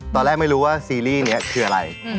ตอนแรกไม่รู้ว่าซีรีส์นี้คืออะไร